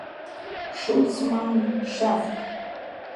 Шуцманн-шафт.